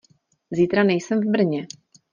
Zítra nejsem v Brně.